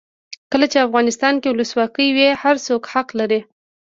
کله چې افغانستان کې ولسواکي وي هر څوک حق لري.